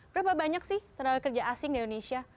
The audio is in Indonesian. berapa banyak sih tenaga kerja asing di indonesia